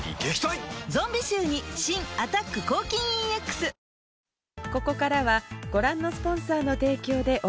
ゾンビ臭に新「アタック抗菌ＥＸ」あれ？